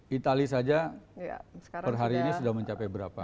kita lihat saja per hari ini sudah mencapai berapa